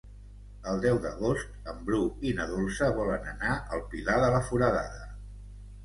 El deu d'agost en Bru i na Dolça volen anar al Pilar de la Foradada.